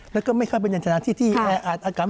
แล้วก็ไม่ค่อยเป็นอย่างจำนักที่อากาศไม่เก็บตัว